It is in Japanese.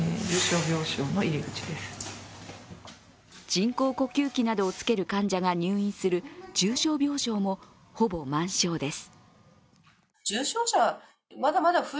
人工呼吸器などをつける患者が入院する重症病床もほぼ満床です。